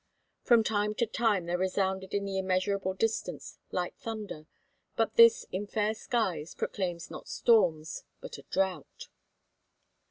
From time to time there resounded in the immeasurable distance light thunder, but this in fair skies proclaims not storms but a drought.